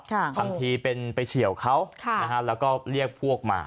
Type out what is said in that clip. ทำทีเป็นไปเฉียวเขาค่ะนะฮะแล้วก็เรียกพวกมา